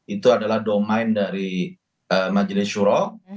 itu adalah domain dari majelis syuroh